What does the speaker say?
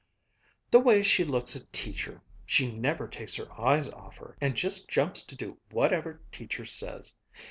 "The way she looks at Teacher she never takes her eyes off her, and just jumps to do whatever Teacher says.